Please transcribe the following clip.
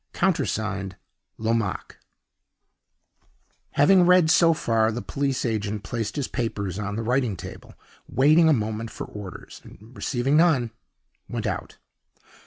Countersigned, LOMAQUE." Having read so far, the police agent placed his papers on the writing table, waited a moment for orders, and, receiving none, went out.